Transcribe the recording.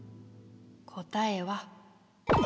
答えは５！